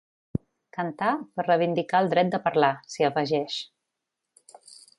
Cantar per reivindicar el dret de parlar, s’hi afegeix.